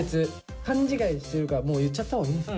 勘違いをしてるからもう言っちゃった方がいいんですか？